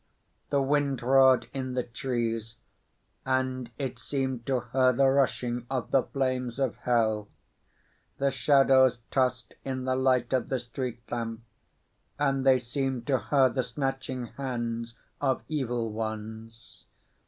The wind roared in the trees, and it seemed to her the rushing of the flames of hell; the shadows tossed in the light of the street lamp, and they seemed to her the snatching hands of evil ones.